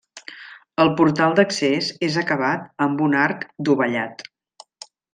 El portal d'accés és acabat amb un arc dovellat.